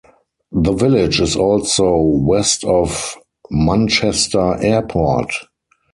The village is also west of Manchester Airport.